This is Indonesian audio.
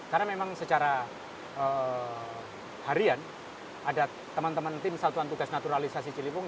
karena memang secara harian ada teman teman tim satuan tugas naturalisasi cilipung